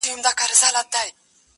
اوس به مي غوږونه تر لحده وي کاڼه ورته!